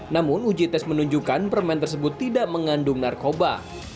namun uji tes menunjukkan permen tersebut tidak mengandung narkoba